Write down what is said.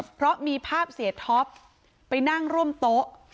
เพราะมีภาพเสียท็อปไปนั่งร่วมโต๊ะ